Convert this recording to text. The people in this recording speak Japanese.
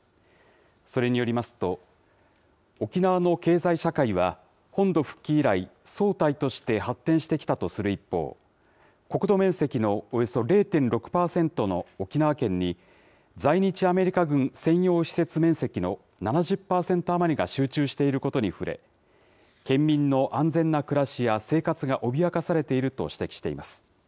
それによりますと、沖縄の経済社会は、本土復帰以来、総体として発展してきたとする一方、国土面積のおよそ０．６％の沖縄県に、在日アメリカ軍専用施設面積の７０％余りが集中していることに触れ、県民の安全な暮らしや生活が脅かされていると指摘しています。